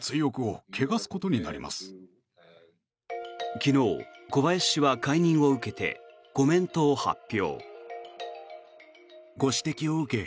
昨日、小林氏は解任を受けてコメントを発表。